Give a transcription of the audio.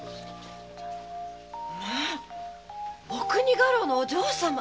お国家老のお嬢様？